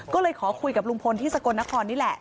ก็เลยขอคุยกับลุงพลที่สกลนครนี่แหละ